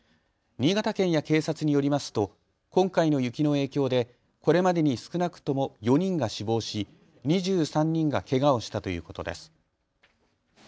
新潟県や警察によりますと今回の雪の影響でこれまでに少なくとも４人が死亡し２３人がけがをしたということです。